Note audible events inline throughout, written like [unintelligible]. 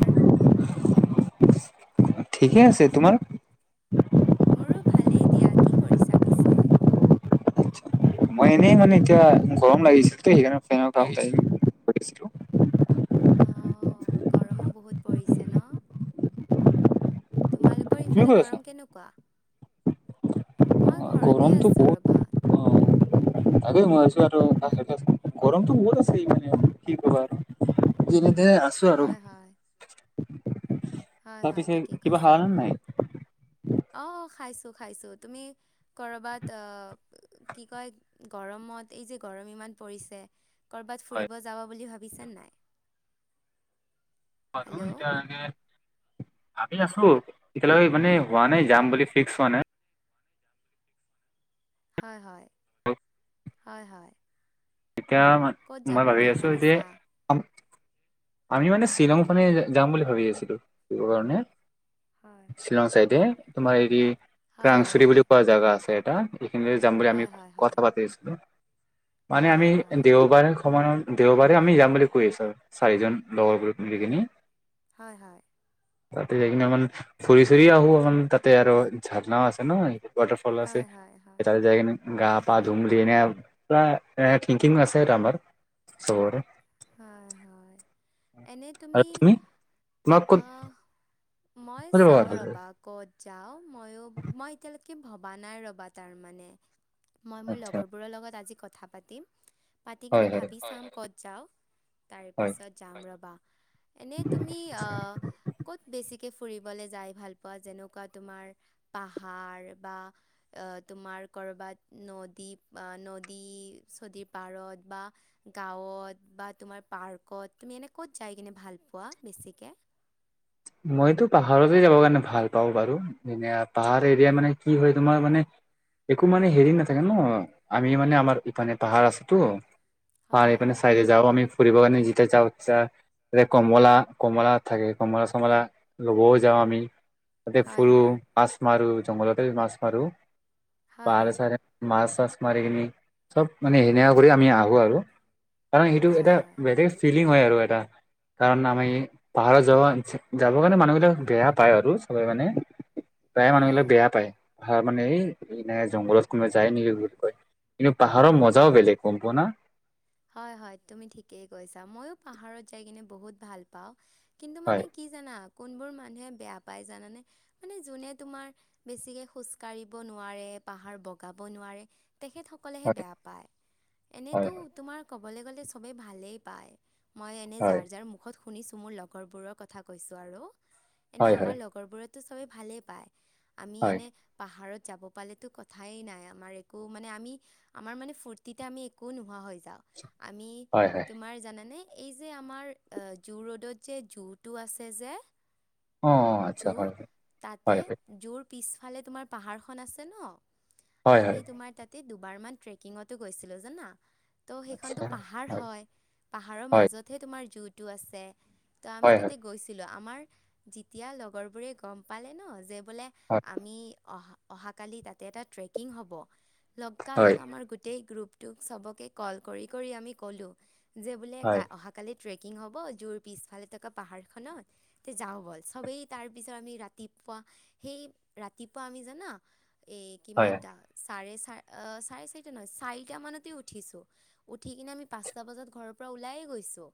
প ঠিকে আছে তোমাৰ মোৰো ভালেই দিয়া। কি কৰিছা পিছে? মই এনেই মানে এতিয়া গৰম লাগিছিল তো সেইকাৰণে ফেনৰ কাষত লাগিছে। আহিলো। কৰিছিলো অ' গৰমো বহুত পৰিছে ন। তোমালোকৰ তুমি ইফালে ক'ত আছা? গৰম কেনেকুৱা মই অ' ঘৰতে আছো ৰবা। তাকে মই আছো আৰু গৰমটো বহত আছে মানে কি কবা আৰু দিনে তেনে আছো আৰু হয় হয় হয় তাৰ হয় পিছে কিবা হাৱ ন নাই উম অ' খাইছো-খাইছো তুমি কৰবাত অ' কি কয় গৰমত এই যে গৰম ইমান পৰিছে ক'বাত হয় ফুৰিব যাবা বুলি ভাবিছে নাই। হেল্ল' বাৰতিয়াে ভাবি আছো এতিয়ৈক মানে হোৱা নাই যাম বুলি ফিক্স হোৱা নাই হয় হয় হয় এতিয়া ম ক'ত যাব মই ভাবি বুলি আছো যে ভাবিছা? আমি মানে শ্বিলংখনে যাম বুলি ভাবি আছিলো কাৰণে হয় শ্বিলং হয় চাইডে তোমাৰ হেৰি হয় হয় কাংচৰি হয় বুলি কোৱা জেগা আছে এটা। সেইখিন যাম বুলি আমি হয় হয় কথা হয় পাতি আছিলো। মানে আমি হয় হয় দেওবাৰে সমানৰ দেওবাৰে আমি যাম বুলি কৈ আছো। চাৰিজন লগৰবোৰ মিলি কিনি হয় হয় তাতে যাই কিনে আমান ফুৰি চুৰি আহো আমান তাতে আৰু ঝাৰণাও আছে নহয় ৱাটাৰ ফল আছে হয় হয় হয় তাতে যাই কেনে। গা পা ধুম দি এনে প এংং আছে আমাৰ চবৰে হয় হয় এনে তুমি তোমাক ক'ত মই ক'ত যাব ভাল চাওঁ লাগে ৰ'বা ক'ত যাও ময়ো মই এতিয়ালৈকে ভবা নাই ৰবা তাৰ মানে মই মোৰ আচ্ছা লগৰবোৰৰ লগত আজি কথা পাতিম হয় পতিকেনে হয় ভাবি চাপ কত যাওঁ। তাৰ হয় পিছত যাম ৰবা এনে তুমি আহ ক'ত বেছিক ফুৰিব যায় ভাল পুৱা যেনেকুৱা তোমাৰ পাহাৰ বা তোমাৰ কৰবাত নদীপ আ নদী-চদিৰ পাৰত বা গাঁও ত বা, তোমাৰ পাৰ্কত তুমি এনে ক'ত যাই কিনে ভাল পোৱা বেছিকে মইতো পাহাৰতে যাবৰ কাৰণে ভাল পাওঁ বাৰু এনে পাহাৰ এৰিয়া মানে কি হয় তোমাৰ মানে একো মানে হেৰি নাথাকে ন আমি মানে আমাৰ ইফানে পাহাৰ আছেতো হয় পানী হয়। পাইনে চাই যাওঁ আমি কৰিবৰ কাৰণে যেতিয়া যাওঁ [unintelligible] কমলা কমলা থাকে কমলা কমলা ল'বও যাওঁ আমি তাতে হয় ফুৰো হয়, মাছ মাৰো জংঘলতে মাছ মাৰো হয় পাহাৰে হয়, চাহাৰে মাছ তাছ মাৰি কিনি চব মানে এনেকা কৰি আমি আহো আৰু কাৰণ সেইটো হয় এটা হয়, বেলেগ ফিল -লিং হয় আৰু এটা কাৰণ আমি পাহাৰত যাব যাবৰ কাৰণে মানুহবিলাক বেয়া পায় আৰু চবে মানে প্ৰায় হয় মানুহবিলাক হয়, বেয়া পায়। হয় মানে ন জংঘলত কোনোবাই যায় নেকি বুলি কয় কিন্তু পাহাৰৰ হয় হয়। মজাও বেলেগ গম পোৱা না? হয় হয় তুমি ঠিকেই কৈছা ময়ো পাহাৰত যাই কিনে বহুত ভাল পাওঁ কিন্তু হয় মানে কি জানা কোনবোৰ মানুহে বেয়া পায় জানানে মানে যোনে তোমাৰ বেছিকৈ খোজকাঢ়িব নোৱাৰে পাহাৰ বগাব নোৱাৰে তেখেতসকলেহে হয় বেয়া পায় হয় এনেইতো তোমাৰ ক'বলৈ গ'লে চবেই ভালেই পায় মই এনে হয় যাৰ যাৰ মুখত শুনিছোঁ মোৰ লগৰবোৰৰ কথা কৈছোঁ আৰু এনে হয় হয় আমাৰ লগৰ বোৰতো চবে ভালেই পায় আমি হয় এনে পাহাৰত যাব পালেতো কথাই নাই আমাৰ একো মানে আমি আমাৰ মানে ফূৰ্তিতে আমি একো নোহোৱা হৈ যাওঁ আমি, হয় হয় তোমাৰ জানানে? এই যে আমাৰ জোঁ ৰ'দত যে জোঁটো আছে যে অ আচ্ছা জু বাৰু, তাতে হয় জুৰ পিছফালে তোমাৰ পাহাৰখন আছে ন, হয় আমি হয় তোমাৰ তাতে দুবাৰ মান ট্ৰেকিঙতো গৈছিলো জানা। ত' সেইখনতো পাহাৰ হয় পাহাৰৰ হয় মাজতহে তোমাৰ জুৰিটো আছে ত আমি হয় হয় তাতে গৈছিলো আমাৰ যেতিয়া লগৰ বোৰে গম পালে ন যে হয় আমি অহাকালি তাতে এটা ট্ৰেকিং হ'ব লগা হয় লগ আমাৰ গোটেই গ্ৰুপটোক চবকে কল কৰি কৰি আমি কলোঁ যে বোলে হয় কা অহাকালিত ট্ৰেকিং হ'ব জোৰ পিছফালে থকা পাহাৰখনত তে যাওঁ ব'ল চবেই তাৰপিছত আমি ৰাতি পোৱা, সেই ৰাতিপুৱা আমি জানা এ হয় কিমানটা চাৰে চ চাৰে চাৰিটা নহয় চাৰিটা মানতে উঠিছো উঠি কিনে আমি পাঁচটা বজাত ঘৰৰ পৰা ওলায়েই গৈছো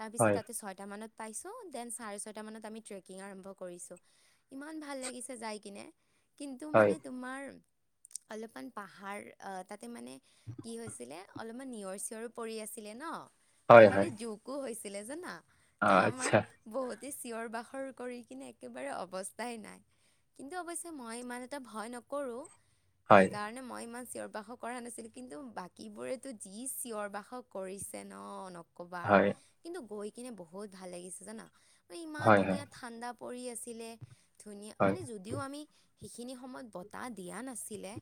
তাৰ পিছত হয় তাতে ছয়টা মানত পাইছোঁ দেন চাৰে ছয়টা মানত আমি ট্ৰেকিং আৰম্ভ কৰিছোঁ ইমান ভাল লাগিছে যাই কিনে। কিন্তু মানে তোমাৰ অলপমান পাহাৰ আহ তাতে মানে কি হৈছিলে অলপমান নিয়ৰ চিয়ৰো পৰি আছিলে ন, তো হয় মানে হয় জোঁকো হৈছিলে জানা। অ ত' আমাৰ আচ্ছা বহুতে চিঞৰ বাখৰ কৰি কিনে একেবাৰে অৱস্থাই নাই। কিন্তু অৱশ্যে মই ইমান এটা ভয় নকৰো। হয় সেইকাৰণে মই ইমান চিঞৰ বাখৰ কৰা নাছিলো কিন্তু বাকীবোৰে যি চিঞৰ বাখৰ কৰিছে ন নকবা আৰু হয় কিন্তু গৈ কিনে বহুত ভাল লাগিছে জানা মানে ইমান হয় হয় ধুনীয়া ঠাণ্ডা পৰি আছিলে ধুনীয়া হয় মানে যদিও আমি সেইখিনি সময়ত বতাহ দিয়া না -ছিলে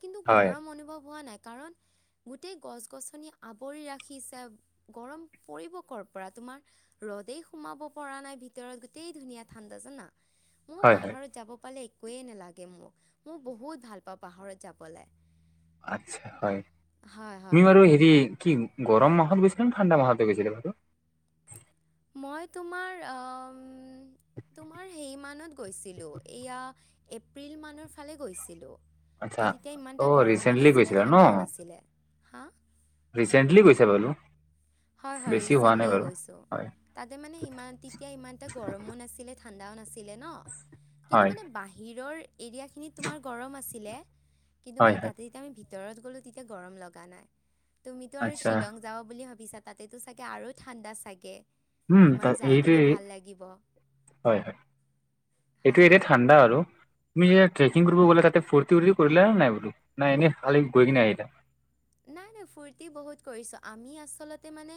কিন্তু হয় গৰম অনুভৱ হোৱা নাই কাৰণ গোট- গোটেই গছ-গছনি আৱৰি ৰাখিছে গৰম পৰিব কৰ পৰা তোমাৰ ৰ'দেই সোমাব পৰা নাই ভিতৰত গোটেই ধুনীয়া ঠাণ্ডা জানা, মোৰ হয় হয় পাহাৰত যাব পালে একোয়ে নালাগে মোক, মই বহুত ভাল পাওঁ পাহৰত যাবলে। আতছা হয় তুমি হয় বাৰু হেৰি কি গৰম মাহত গৈছিলে নে ঠাণ্ডা মাহতে গৈছিলে বাৰু মই তোমাৰ অমম তোমাৰ সেই মানত গৈছিলো এয়া এপ্ৰিল মানৰ ফালে গৈছিলো। আচ্ছা ত' তেতিয়া ইমান অ এটা গৰমো ৰিচেণ্টলি নাছিলে গৈছিলা ন ঠাণ্ডাও নাছিলে, হা ৰিচেন্টলি গৈছা বোলো হয় হয় ৰিচেন্টলিয়ে গৈছো হয় তাতে মানে ইমান তেতিয়া ইমান এটা গৰমো নাছিলে ঠাণ্ডাও নাছিলে ন কিন্তু হয় মানে বাহিৰৰ এৰিয়াখিনিত তোমাৰ গৰম আছিলে। কিন্তু হয় মানে হয় তাতে যেতিয়া আমি ভিতৰত গ'লোঁ তেতিয়া গৰম লগা নাই তুমিতো আৰু আচ্ছা শ্বিলং যাব বুলি ভাবিছা তাতেতো চাগে আৰু ঠাণ্ডা চাগে উম ত তোমাৰ যাই কিনে এইটোৱে ভাল লাগিব হয় হয়। এইটো হয় এতিয়া ঠাণ্ডা আৰু তুমি যেতিয়া ট্ৰেকিং কৰিব গ'লে তাতে ফূ্তি ফ্তি কৰিলানে নাই বলো না এনেই খালি গৈ কিনে আহিলা নাই নাই ফুৰ্তি বহুত কৰিছো আমি আচলতে মানে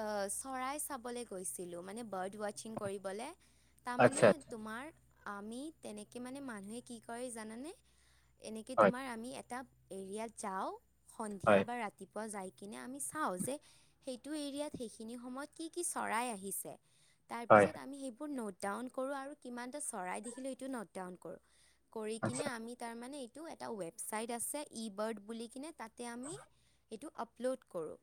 আঁ চৰাই চাবলৈ গ গৈছিলো মানে বাৰ্ড ৱাছিং কৰিবলে তাৰমানে আচ্ছা আচ্ছা তোমাৰ আমি তেনেকে মানে মানুহে কি কৰে জানানে এনেকৈ হয় তোমাৰ আমি এটা এৰিয়াত যাওঁ সন্ধিয়া হয় বা ৰাতিপুৱা যাই কিনে আমি চাওঁ যে সেইটো এৰিয়াত সেইখিনি সময়ত কি কি চৰাই আহিছে হয় তাৰপিছত আমি সেইবোৰ নট ডাউন কৰোঁ আৰু কিমানটা চৰাই দেখিলো সেইটো নট ডাউন কৰোঁ কৰি কিনে আচ্ছা আমি তাৰমানে এইটো এটা ৱেবছাইট আছে ই বাৰ্ড বুলি কিনে তাতে আমি এইটো আপলোড কৰোঁ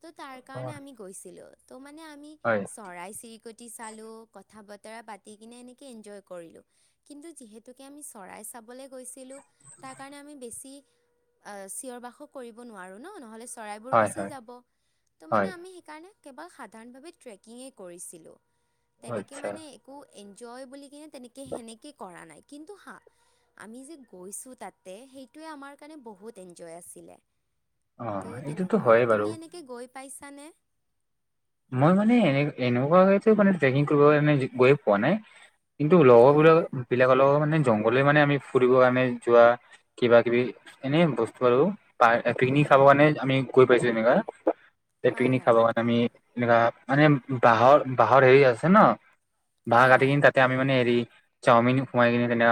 ত' তাৰ অ কাৰণে আমি গৈছিলোঁ। ত' মানে আমি হয় চৰাই চিৰিকটি চালোঁ কথা বত বাতি কিনে এনেকে এনজয় কৰিলোঁ কিন্তু যিহেতুকে আমি চৰাই চাবলৈ গৈছিলো তাৰ কাৰণে আমি বেছি চিঞৰ বাখৰ কৰিব নোৱাৰোঁ ন নহ'লে চৰাইবোৰ হয় গুচি হয় যাব তো মানে হয় আমি সেইকাৰণে কেৱল সাধাৰণভাৱে ট্ৰেকিঙে কৰিছিলোঁ তেনেকে আচ্ছা মানে একো। এন্জয় বুলি কিনে তেনেকে সেনেকে কৰা নাই কিন্তু হা আমি যে গৈছো তাতে সেইটোয়ে আমাৰ কাৰণে বহুত এনজয় আছিলে। অ ত' এইটোতো তেনেকুৱা হয়ে আৰু বাৰু তুমি এনেকে গৈ পাইছানে মই মানে এনে এনেকুৱাকে মানে ট্ৰেকিং কৰিব কাৰণে গৈ পোৱা নাই কিন্তু হয় লগৰবোৰক হয় বিলাকৰ লগৰ মানে। মানে জংঘলে মানে আমি ফুৰিব আমি যোৱা কিবা কিবি এনে বস্তু আৰু পিকনিক হয় খাবৰ হয় কাৰণে আমি গৈ পাইছোঁ তেনেকুৱা হয় পিকনিক হয় খাবৰ কাৰণে আমি এনেুৱা মানে বাঁহৰ বাঁহৰ হেৰি আছে ন বাঁহ হয় কাটি হয় কিনে তাতে আমি মানে হেৰি চাওমিন সোমাই কিনে তেনে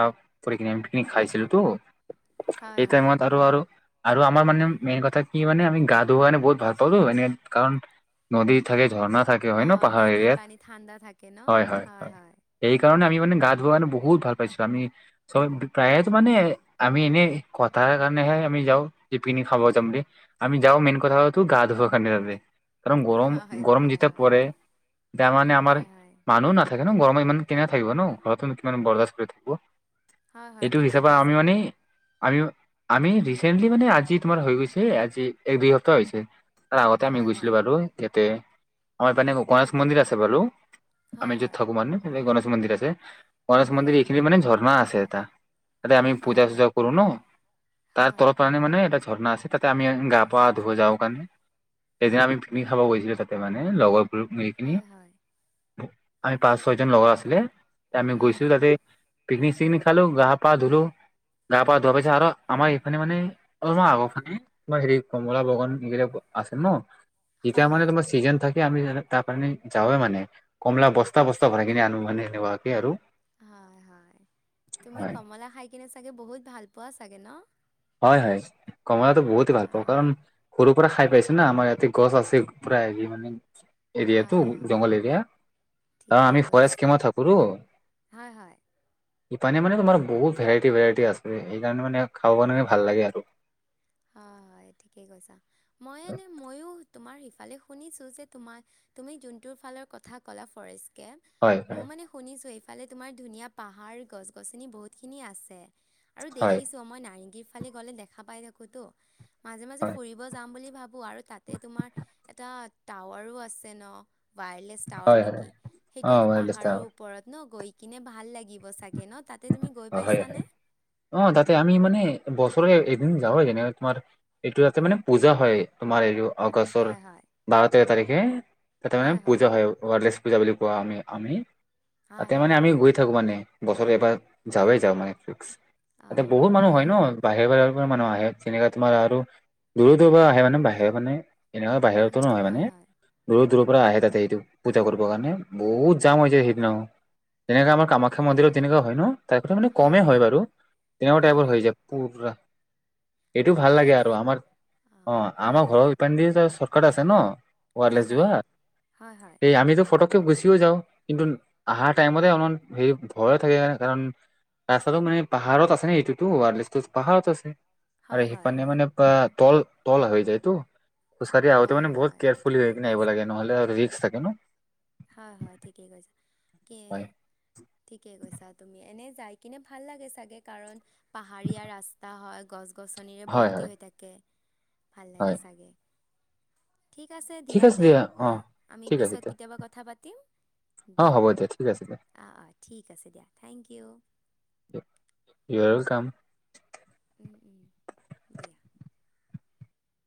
কিনেমানে পিকনিক খাইছিলো তো হয় এই হয় টাইমত আৰু আৰু আৰু আমাৰ মানে মেইন কথা কি মানে আমি গা ধোৱা কাৰনে বহুত ভাল পালো এনে কাৰণ নদী থাকে ঝৰ্ণা থাকে হয় ন অ' পাহাৰ নদীৰ এৰিয়াত পানী ঠাণ্ডা থাকে ন হয় হয় কাৰণে আমি মানে গা ধোৱা টো বহুত ভাল পাইছো আমি চব প্ৰায়েতো মানে আমি এনে কথা তাৰ কাৰণেহে আমি যাওঁ পিকনিক খাব যাম বুলি আমি যাওঁ মেইন কথা হতো গা ধুব কাৰণে তাতে কাৰণ গৰম হয় গৰম হয় যেতি হয় পৰে তা মানে আমাৰ হয় হয় মানুহ নাথাকে ন গৰমে মান কেনে থাকিব ন ঘৰতনো কিমান বৰদাস্ট কৰি থাকিব হয় হয় এইটো ঠিকেই হিচাপে আমি কৈছা মানে। আমি আমি ৰিচেণ্টলি মানে আজি তোমাৰ হৈ গৈছে আজি এক দুই সপ্তাহ হৈছে তাৰ আগতে আমি হয় গৈছিলো হয় বাৰো ইয়াতে আমাৰ মানে গণেশ মন্দিৰ আছে বাৰু। আমি হয় যত হয় থাকো মানে গণেশ মন্দিৰ আছে গণেশ হয় মন্দিৰ এইখিনি মানে ঝৰ্ণা আছে এটা তাতে আমি পূজা হয় চূজা কৰো ন তাৰ হয় তলত কাৰনে মানে এটা ঝৰণা আছে তাতে আমি গা পা ধুুৱ যাওঁ কাৰণে সেইদিনা আমি পিকনিক খাব গৈছিলোঁ তাতে মানে লগৰ গোটেইখিনি হয় হয় পাঁচ ছয় জন লগৰ আছিলে অঁ আমি হয় গৈছিলো হয় তাতে পিকনিক চিকনিক খালো গা পা ধুলো গা পা ধোৱা পিছত আৰু আমাৰ এইফালে মানে অলপ আগৰৰফালে তমাৰ হেৰি কমলা বাগান এইবিলাক আছে ন এতিয়া হয় মানে হয় তোমাৰ চিজন থাকে আমি তাৰ কাৰণে যাৱৱে মানে কমলা বস্তা বস্তা ভৰাই কিনি আনো মানে সেনেকুৱাকে আৰু হয় হয় তুমি হয়, কমলা খাই কিনে বহুত ভাল পোৱা চাগে ন হয় হয় কমলা বহুতে ভাল পাওঁ অঁ কাৰণ সৰুৰ পৰা খাই পাইছো না আমাৰ ইয়াতে গছ আছে পুৰা হেৰি মানে এৰিয়াটো হয় হয় জংঘল এৰিয়া কাৰণ ঠিকেই আমি ফৰেষ্ট কৈছা কেম্পত থাকো তো। হয় হয়। ইপানে মানে তোমাৰ বহুত ভেৰাইটি, ভেৰাইটি আছে সেইকাৰণে মানে খাব কাৰে ভাল লাগে আৰু। হয়, হয় ঠিকেই কৈছা মই এনে ময়ো তোমাৰ সিফালে শুনিছো যে ত তুমি যোনটো ফালৰ কথা ক'লা ফৰেষ্ট কে হয় মই হয় মানে শুনিছো। ফালে তোমাৰ ধুনীয়া পাহাৰ গছ-গছনি বহুতখিনি আছে আৰু হয় দেখিছোঁ মই নাৰেংগীৰ [unintelligible] গলে দেখা পাই থাকো তো মাজে মাজে হয় ফুৰিব যাম বুলি ভাবো আৰু তাতে তোমাৰ এটা টাৱাৰো আছে ন'। ৱায়াৰলেছ টাৱাৰ হয় হয় নেকি অ সেইটোতো ৱেলষ্টা পাহাৰৰ ওপৰত ন' গৈ কিনে ভাল লাগিব চাগে ন' তাত। অ', হয় অ', তাতে আমি মানে বছৰে যা হয় যেনেক তোমাৰ এইটো তাতে মানে পূজা হয়। তোমাৰ এইটো আগষ্টৰ হয় হয় বাৰত স তেৰ তাৰিখে তাতে মানে পূজা হয় ৱাৰলেছ পূজা বুলি কোৱা আমি হয় তাতে হয় মানে আমি হয় গৈ থাকো মানে বছৰ এবাৰ যাাৱেই যাওঁ মানে ফিক্স। তাতে বহুত মানুহ হয় ন' বাহিৰ বাহিৰৰ মানুহ আহে যেনেকা তোমাৰ আৰু দূৰ, দূৰ পৰা আহে মানে বাহিৰৰ মানে এনেকুৱা বাহিৰতো উম, নহয় মানে হয় হয়। দূৰ দূৰ পুৰা আহে তাতে সেইটো পূজা কৰিব কাৰণে বহুত জাম হৈছে সেইদিনা। যেনেকৈ আমাৰ কামাখ্যা মন্দিৰত অ', তেনেকুৱা হয় ন' তাইপ মানে কমেই হয় বাৰু তেনেকুৱা হয় টাইপৰ হৈ হয়। যায়। এইটো ভাল অ', লাগে এনে আৰু আমাৰ অ', হয় আমাৰ হয়, ঘৰত সেপানদি যায় চব আৰু এটা আছে ন' ওৱায়াৰলেচ হয় হয়, যোৱা হয় হয়, এই আমিটো ফটক গুচিও যাওঁ কিন্তু আহাৰ টাইমতে অলমান হেৰি ভয়ো থাকে কাৰণ ৰাস্তাটো মানে পাহাৰত আছে। ন এইেইটোতো ৱাৰলে পাহাৰত আছে আৰু হয় হয় সিফালে হয়। মানে তল তল হৈ যায়তো। খুচাৰী আহওঁতে হয় মান বহুত হয়, কেয়াৰফুলি হৈ ঠিকেই কিনে আহিব কৈছা। লাগে নহ'লে আৰু ৰিক্স থাকে ন'। হয়, হয় ঠিকে কৈছা কি হয় ঠিকে কৈছা, তুমি এনে যাই কিনে ভাল লাগে চাগে কাৰণ পাহাৰীয়া ৰাস্তা হয় গছ গছনিৰে হয় হয় ভৰ্তি হৈ থাকে। ভাল লাগে হয় চাগে। ঠিক আছে দিয়া তে আমি ঠিক আছে পিছত দিয়া কেতিয়াবা ক দি অ দিয়া হ'ব ঠিক আছে দিয়া অ', অ', ঠিক আছে দিয়া, থেংক ইউ। ই কাম উম, উম, দিয়া।